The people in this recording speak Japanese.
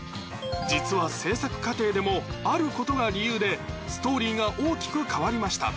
実は制作過程でもあることが理由でストーリーが大きく変わりました